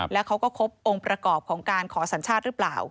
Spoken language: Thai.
แล้วเขาก็ครบองค์ประกอบของการขอสัญชาติหรือเปล่า